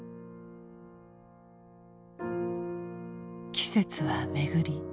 季節は巡り